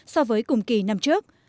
so với cùng kỳ năm trước